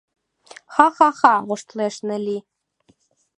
Ха-ха-ха! — воштылеш Нелли.